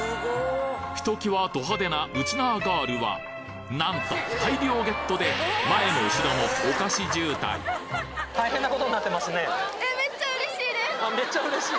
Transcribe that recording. ひと際ド派手なウチナーガールはなんと大量ゲットで前も後ろもお菓子渋滞めっちゃ嬉しい？